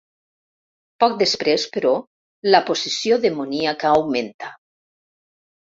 Poc després, però, la possessió demoníaca augmenta.